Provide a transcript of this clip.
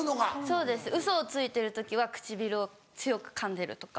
そうですウソをついてる時は唇を強くかんでるとか。